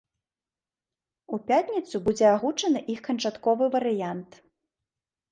У пятніцу будзе агучаны іх канчатковы варыянт.